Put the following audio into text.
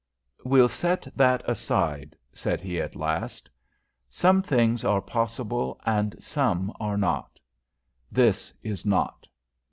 "We'll set that aside," said he, at last. "Some things are possible and some are not. This is not."